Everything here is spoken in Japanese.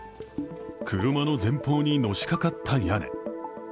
車の前方にのしかかった屋根。